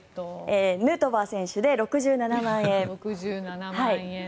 ヌートバー選手で６７万円。